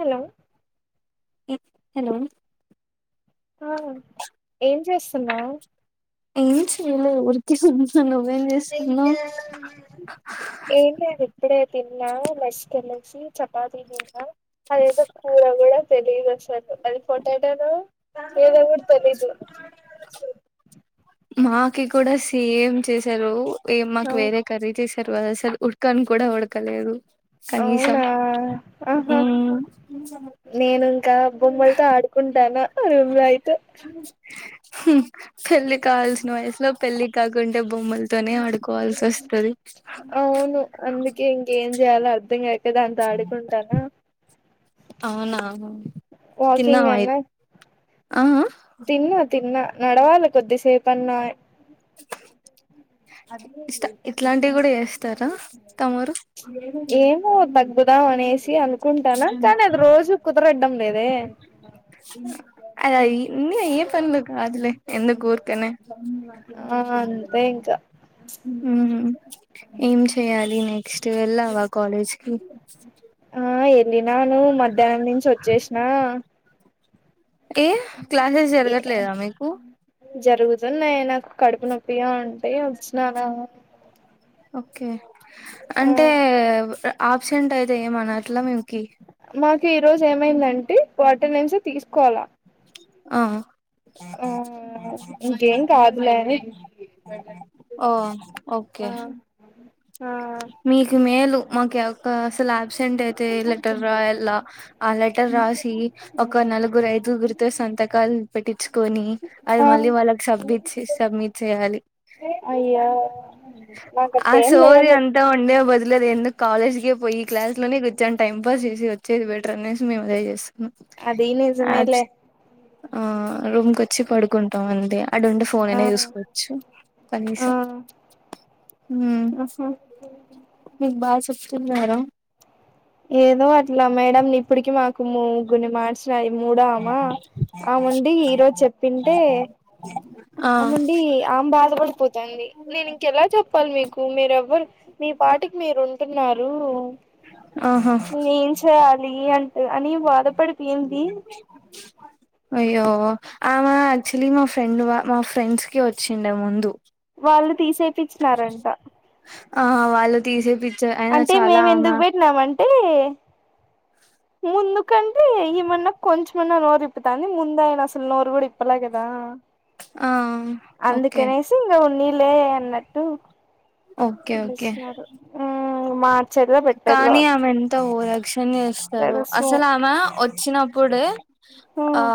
Hello hello ఆ ఏం చేస్తున్నా ఏం చెయలే ఊరికే చూస్తున్నా నువ్వేం చేస్తున్నవ్ ఏమి లేది ఇప్పుడే తిన్నా మష్ కలసిచపాతి తిన్నా అదేదో ఏదో కూడా తెలియదుసలు అది పొటాటో నో ఏదో కూడా తెలీదు మాకి కూడా సేమ్ చేసారు ఏ మాకు అవు వేరే రీతి సర్వాద సలు ఉడ్కను కూడా ఉడ్కలేదు అవునా ఆహా నేను ఇంకా బొమ్మలతో ఆడుకుంటానా రూమ్ లో అయితే పెళ్లి కావాల్సిన వయసులో పెళ్లి కాకుంటే బొమ్మలు తోనే ఆడుకోవాల్సి వస్తుది అవును అందుకే ఇంకేం చేయాలో అర్థం కాక దానితో ఆడుకుంటానా అవునా తిన్నావ వాకింగ్ అయి అన్నా ఆ తిన్నా తిన్నా నడవాలి కొద్దిసేపన్నా ఇ ఇట్లాంటివి కూడా చేస్తారా తమరు ఏమో బగ్ కుదాం అనేసి అనుకుంటాను కానీ అది రోజు కుదరడ్డం లేదే అద ఇం ఏ పన్లే కా అదులే ఎందుకు ఊర్కనే అంతే ఇంకా హ్మ్ ఏం చెయ్యాలి నెక్స్ట్ వెళ్ళావా కాలేజ్ కి ఆ వెళ్ళినాను మధ్యాహ్నం నుంచి వచ్చేసిన ఏ క్లాసెస్ జరగట్లేదా మీకు జరుగుతున్నయి నాకు కడుపు నొప్పి గా ఉంటే వచ్చినా గా ఓకే ఆ అంటే ఆబ్సెంట్ అయితే ఏం అనట్లా మీకి మాకు ఈ రోజు ఏమైందంటే అటెండెన్స్ తీసుకోలా ఆ ఇంకేం కాదులే అని ఓ ఓకే ఆ ఆ మీకు మేలు మాకు యక్క అసలు ఆబ్సెంట్ అయితే లెటర్ రాయలా ఆ లెటర్ రాసి ఒక నలుగురు ఐదుగురితో సంతకాలు పెట్టించుకొని అది మళ్ళీ ఆ వాళ్ళకి సబ్మిట్ సబ్మిట్ చేయాలి అయ్యా ఆ నాకట్టే ఏం సోది లేదు అంతా ఉండే బదులు ఎందుకు కాలేజ్ కే పోయి క్లాస్ లోనే కూర్చొని టైం పాస్ చేసి వచ్చేది బెటర్ అనేసి మేము పోయి వస్తాం అదీ నిజమేలే ఆ రూమ్ కొచ్చి పడుకుంటాం అంతే అటు ఉండి ఫోన్ ఆ అయినా చూసుకోవచ్చు ఆ కనీసం ఆహా మీకు బాగా చెప్తున్నారా ఏదో అట్లా మేడంలు ఇప్పటికి మాకు ముగ్గురిని మార్చు రు మూడో ఆమ ఆముండి ఈరోజు చెప్పింటే ఆ ఆముండి ఆమె బాధపడిపోతాంది నేను ఇంకెలా చెప్పాలి మీకు మీరెవ్వరు మీ పాటికి మీరు ఉంటున్నారు ఆహా నేనేం చేయాలి అంటూ అని బాధపడిపోయింది అయ్యో ఆమె యాక్చువలీ మా ఫ్రెండ్ వా మా ఫ్రెండ్స్ కి వచ్చిండె ముందు వాళ్ళు తీసేపిచ్చినారంట ఆహా వాళ్ళు తీసేపి అంటే మేము ఎందుకు పెట్టినామంటే ముందుకంటే ఈమన్నా కొంచెమన్నా నోరు ఇప్పుతాంది ముందు ఆయన అసలు నోరు కూడా ఇప్పలే కదా ఆ ఓకే అందుకనేసి ఇంకా ఉన్నీలే అన్నట్టు ఓకే ఓకే వదిలేసినారు మ్ మా కానీ ఆమె ఎంత ఓవరాక్షన్ చేస్తదో తెలుసు అసలు ఆమె వచ్చినప్పుడే ఆ మ్మ్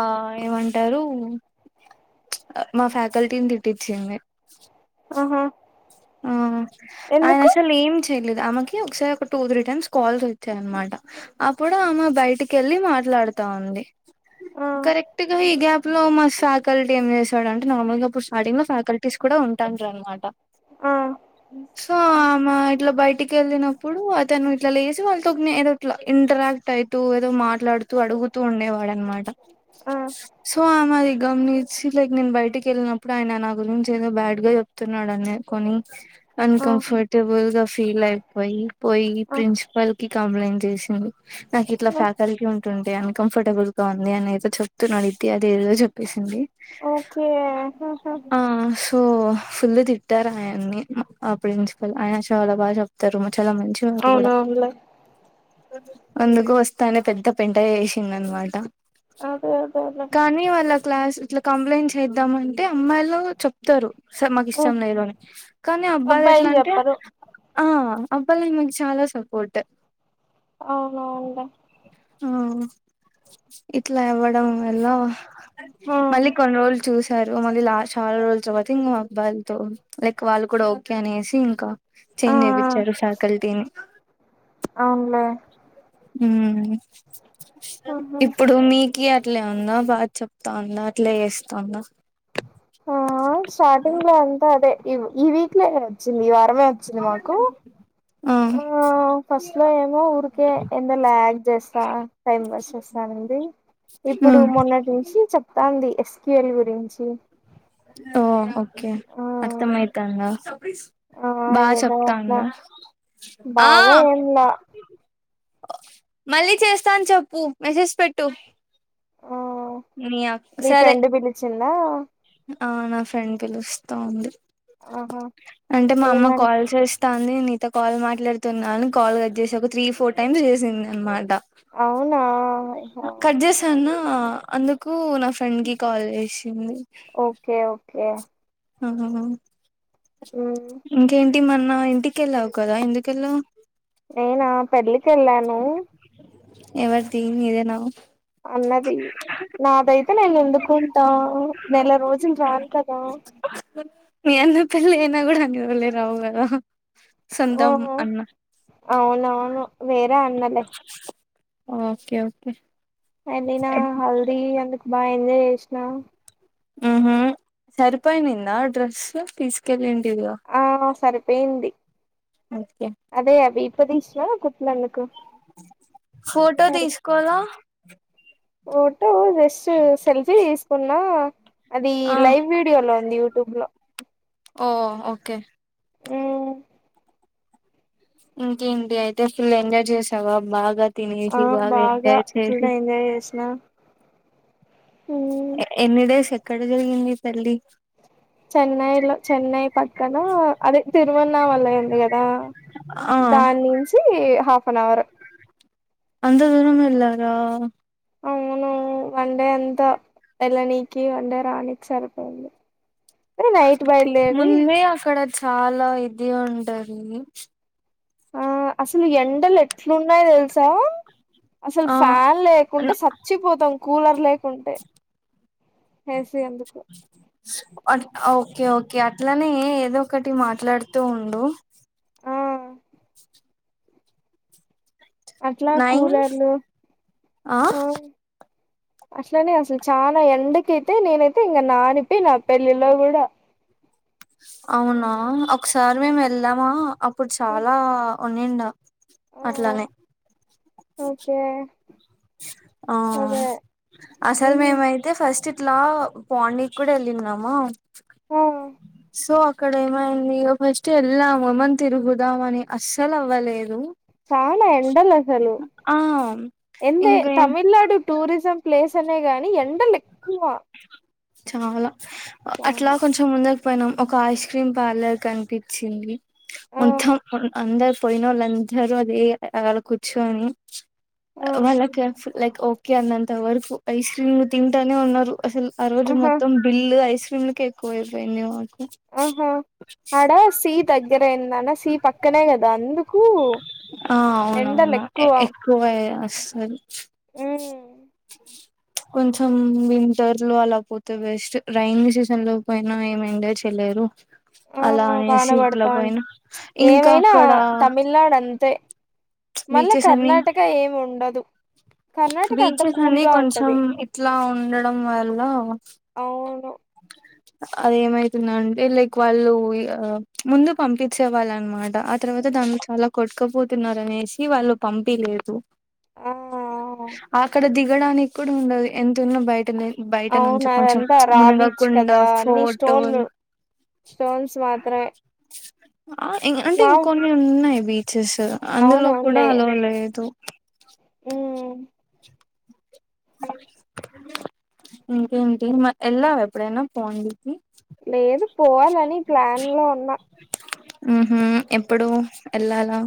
ఏమం టరు మా ఫ్యాకల్టీని తిట్టిచ్చింది ఆహా ఆ ఆయన ఎందుకు అసలు ఏం చెయలేదు ఆమెకి ఒకసారి ఒక టూ త్రీ టైమ్స్ కాల్స్ వచ్చాయనమాట అప్పుడు ఆమె బయటికెళ్ళి మాట్లాడుతా ఉంది ఆ కరెక్ట్గా ఈ గ్యాప్ ప్ లో మా ఫ్యాకల్టీ ఏం చేశాడు అంటే నార్మల్ గా అప్పుడు స్టార్టింగ్ లో ఫ్యాకల్టీస్ కూడా ఉంటాడ్రనమాట ఆ సో ఆమె ఇట్లా బయటికెళ్ళినప్పుడు అతను ఇట్లా లేసి వాళ్ళతో ఏదో ఇట్లా ఇంటరాక్ట్ అయితూ ఏదో మాట్లాడుతూ అడుగుతూ ఉండేవాడు అనమాట ఆ సో ఆమె అది గమనించి లైక్ నేను బయటకెళ్ళినప్పుడు ఆయన నా గురించి ఏదో బ్యాడ్ గా చెప్తున్నాడనే కొని ఆ ఆ అన్కంఫర్టబుల్ గా ఫీల్ అయిపోయి పోయి ప్రిన్సిపాల్ కి కంప్లైంట్ చేసింది నాకు ఇట్లా ఆ ఫ్యాకల్టీ ఉంటుంటే అన్కంఫర్టబుల్ గా ఉంది అని ఏదో చెప్తున్నాడు ఇది అది ఏదో చెప్పేసింది ఓకే ఆహా ఆ సో ఫుల్ తి ట్టారు ఆయన్ని ఆ ప్రిన్సిపల్ ఆయన చాలా బాగా చెప్తారు చాలా మంచి వారు కూడా అవునవునులే అందుకు వస్తానే పెద్ద పెంట చేసింది అనమాట అదే అదేలే కాని వాల్ల క్లాస్ ఇట్లా కంప్లైంట్ చేద్దామంటే అమ్మాయిలు చెప్తారు సర్ మాక్ టం మ్మ్ లేదని కానీ అబ్బాయిలు ఎట్లా అంటే ఆ అబ్బాయిలు ఈమెకు చాలా సపోర్ట్ అవునవును లే మ్ ఇట్లా అవ్వడం వల్ల ఆ మళ్ళీ కొన్ని రోజులు చూస్ టరు మళ్ళ లా చాలా రోజుల తర్వాత ఇంగ మా అబ్బాయిలతో లైక్ వాళ్ళు కూడా కి అనేసి ఇంకా ఆ చేంజ్ చేపిచ్చారు ఫ్యాకల్టీని అవున్లే మ్ ఆహా ఇప్పుడు మీకి అట్లే ఉందా బాగా చెప్తా ఉందా అట్లే చేస్తాందా ఆ స్టార్టింగ్ లో అంతా అదే ఈ వీక్లే నే వచ్చింది ఈ వారమే వచ్చింది మాకు ఆ ఫస్ట్ లో ఏమో ఊరికే ఎందో లాగ్ చేస్తా టైం వేస్ట్ చేస్తా ఉన్నింది ఇప్పుడు మొన్నటి నుంచి చెప్తాంది ఎస్క్యూఎల్ గురించి అహ కే ఆ అర్థం అయితాందా ఆ బా ఏదో చెప్తాంద అట్లా బాగా ఏంలే మళ్ళీ చేస్తా అని చెప్పు మెసేజ్ పెట్టు ఆ నీ అక్ మీ సరే ఫ్రెండ్ పిలిచిందా ఆ నా ఫ్రెండ్ పిలుస్తా ఉంది ఆహా అంటే మా అమ్మ ఏమంట కాల్ చేస్త తంది నీతో కాల్ మాట్లాడుతున్నాను అని కాల్ కట్ చేసి ఒక త్రీ ఫోర్ టైమ్స్ చేసింది అనమాట అవునా చనా అందుకు నా ఫ్రెండ్ కి కాల్ చేసింది ఓకే ఓకే ఆహహ ఉ ఇంకేంటి మోన్న ఇంటికెళ్ళావు కదా ఎందుకెళ్ళవు నేనా పెళ్లికి వెళ్ళాను ఎవరిది నిదేన అన్నది నాదైతే నేను ఎందుకుంటా నెల రోజులు రాను కదా మీ అన్నా పెళ్ళి అయిన కూడా అని రోజులే రావు కదా ఆ సొంతం అన్న అవునవును వేరే అన్నలే ఓకే ఓకే ఏళ్ళిన హల్దీ అందుకు బాగా ఎంజాయ్ చేసినా ఉ హ సరిపోయి నింద డ్రెసు తీసుకెళ్లిలుంటివిగా ఆ సరిపోయింది ఓకే అదే అవి ఇప్పాదిసినా కుట్లు అందుకు ఫోటో తీసుకోలా ఫోటో జస్ట్ సెల్ఫీ తీసుకున్నా అది ఆ లైవ్ వీడియో లో ఉంది యూట్యూబ్ లో ఓ ఓకే హ్మ్ ఇంకేంటి అయితే ఫుల్ ఎంజాయ్ చేసావా బాగా ఆ తినేసి బాగా ఎంజాయ్ చేసి ఫుల్ ఎంజాయ్ చేసిన ఎన్ని డేస్ ఎక్కడ జరిగింది పెళ్ళి చెన్నైలో చెన్నై పక్కన అదే తిరుమన్నా వల్ల ఉంది కదా ఆ దాని నుంచి హాఫ్ అన్ అవర్ అంత దూరం వెళ్ళారా అవును వన్డే అంత వెళ్ళానికి వన్ డే రానికి సారిపోయింది ముందే అక్కడ చాలా ఇది ఉంటది ఆ అసలు ఎండలు ఎట్లున్నాయో తెలుసా అసలు ఆ ఫ్యాన్ లేకుంటే సచ్చిపోతాం కూలర్ లేకుంటే ఏసీ ఎందుకు ఓకే ఓకే అట్లనే ఏదో ఒకటి మాట్లాడుతూ ఉండు ఆ అట్లా నైన్ కూలర్లు ఆ అట్లనే అసలు చాలా ఎండకైతే నేనైతే ఇంక నానిపి నా పెళ్ళిలో కూడా అవునా ఒకసారి మేము వెళ్దామా అప్పుడు ఆ చాలా ఉనిండా ఆ అట్లానే ఓకే ఆ అదే అసలు ఉమ్, మేమయితే అయితే ఫస్ట్ ఇట్లా పాండిక్కుడ ఎళ్ళిన్నామా ఆ సో అక్కడ ఏమైంది ఫస్టు ఎళ్ళాము ఏమన్ తిరుగుదామని అస్సలవ్వలేదు చాలా ఎండలసలు ఎందే ఇంకేం తమిళ్నాడు టూరిజం ప్లేస్ సనే గాని ఎండలెక్ చాలా అట్లా చాలా కొంచం ముందక్ పోయినాం ఒక ఐస్ క్రీమ్ పార్లర్ కనిపిచ్చింది ఆ మొన్ త్తమ్ అందర్ పోయినొళ్ళందరూ అదే ఆళ కుర్చోని ఆ వాళ్ళక్య ఫు లైక్ ఓకే అన్నంత వరకు ఐస్ క్రీమ్లు తింటానే ఉన్నారు అసల్ ఆ రోజు ఆహా మొత్తం బిల్లు ఐస్ క్రీమ్లకే ఎక్కువైపోయింది మాకు ఆహా ఆడా సీ దగ్గరయిందన్న సీ పక్కనే గదా అందుకూ ఆ అవునవును ఎ ఏ ఫ్లువై అస్సలు ఉమ్, కొంచం వింటర్ డ్లో అలా పోతే వేస్టు రైైనీ సీజన్ లో పొయ్నా ఏం ఎంజాయ్ చెయ్లేరు ఓ వాన వడతాంద్ ఇంకా ఏమైనా అక్కడ తమిళనాడంతే మళ్ళ బీచెస్ అన్ని కర్ణాటక ఏమి ఉండదు కర్ణాటక అంతా బీచెస్ అని కూల్గా కొంచం ఉంటది ఇట్లా ఉండడం వల్ల అవును అది ఏమైతుందంటే లైక్ వాళ్ళు ఇగా ముందు పంపిచ్చే వాళ్ళన్న్మాట ఆ తర్వాత దాన్ చాలా కొట్కపోతున్నారనేసి వాళ్ళు పంపిలేదు ఆ ఆక్కడ దిగడానిక్కుడ ఉండదు ఎంతున్న బయట నేల్ బయట నుంచి కొంచం రాబీచ్ కదా అన్ని స్టోన్లు స్టోన్స్ మాత్రమే ఆ ఇంగ్ అంటే వావ్ ఇంకొన్ని ఉన్నాయి బీచెస్సు అందులో కూడా అవునవునులే అలోవ్ లేదు ఊ ఇంకేంటి మర్ ఎళ్ళావ ఎప్పుడైన పాండీకి లేదు పోవాలని ప్లాండ్లో ఉన్నా ఊహు ఎప్పుడూ ఎళ్ళాలా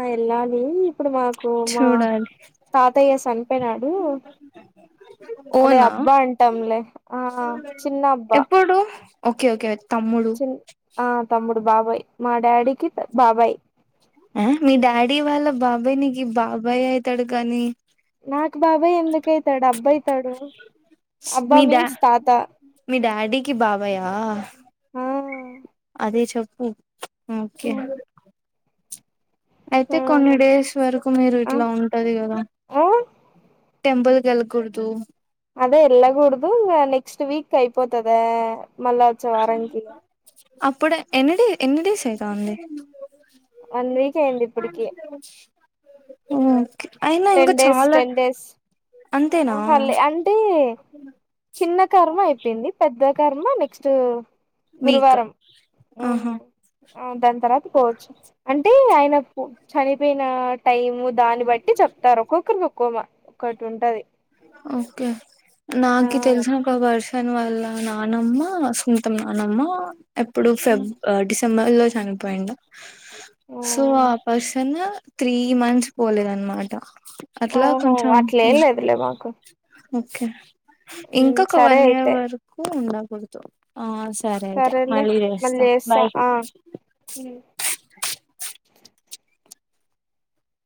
ఆ ఎళ్ళాలి ఇప్పుడు మాకు మా చూడాలి తాతయ్య సన్పోయ్నాడు అదే ఓనా అబ్బా అంటాంలే ఆ చిన్నబ్బా ప్పుడు ఓకే ఓకే వే తమ్ముడు కు ఆ తమ్ముడు బాబాయ్ మా డాడీకి త్ బాబాయ్ ఆ మీ డాడీ వాళ్ళ బాబాయ్ నీకి బాబాయ్ అయితాడు గని నాకు బాబాయ్ ఎందుకైతాడు అబ్బైతడు మీ డా మీ డాడీకి బాబయా ఆ అదే చెప్పు ఆ ఓకే ఆ అయితే కొన్ని డేస్ వరుకు మీరు ఆ ఇట్లా ఉంటది గదా ఆ. టెంపుల్ కెళ్ళకూడ్దు అదే ఎళ్ళగూడ్దు ఇంగా నెక్స్ట్ వీక్ అయిపోతుదా మళ్ళా వచ్చే వారంకి అప్పుడు ఎన్ని డే ఎన్ని డేస్ అయితా ఉంది వన్ వీక్ అయింది ఇప్పటికి ఒహొ అయినా ఇంగా చాలా అంతేనా అవ్వల్లే అన్ అంటే చిన్న కర్మ అయిపోయింది పెద్ద కర్మ నెక్స్ట్ వీక్ గురువారం ఆహా మ్ హు దాని తర్వాత పోవచ్చు అంటే ఆయన పొ చనిపోయిన టైం దాన్ని బట్టి చెప్తారు ఒక్కొక్కరు ఒక్కో మ ఒకటుంటది ఓకే నాకి తెలిసిన ఒక పర్స న్ వాళ్ళ నానమ్మ సుంతం నానమ్మ ఎప్పుడు ఫెబ్ అ డిసెంబర్ లో చనిపోయిండు సో ఆ పర్సన్ త్రీ మంత్స్ పోలేదనమాట అట్లా కొంచెం లే మాకు ఓకే మ్మ్ ఇంకొక సరే వన్ ఇయర్ అయితే వరకు ఉండకూడదు ఆస్ సరే అయితే సరేలే మళ్ళీ చేస్తా బాయ్ మ్